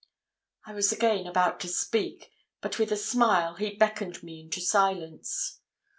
I was again about to speak, but with a smile he beckoned me into silence.